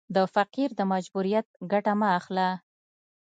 د فقیر د مجبوریت ګټه مه اخله.